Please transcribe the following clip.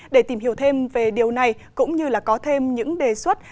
để tìm hiểu thêm về điều này cũng như là có thêm những đề xuất